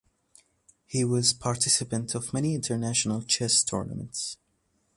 He was participant of many international chess tournaments.